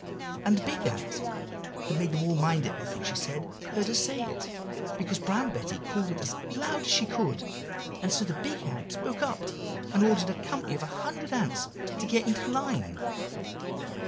And the big ant that made them all mind everything she said, heard her say it, because Brown Betty called it as out loud as she could; and so the big ant spoke up, and ordered a company of a hundred ants to get into line."